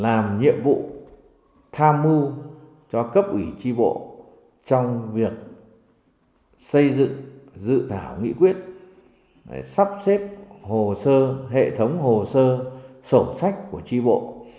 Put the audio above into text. làm nhiệm vụ tham mưu cho cấp ủy tri bộ trong việc xây dự dự tảo nghị quyết sắp xếp hệ thống hồ sơ sổ sách của tri bộ